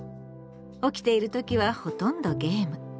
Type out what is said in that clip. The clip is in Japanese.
起きている時はほとんどゲーム。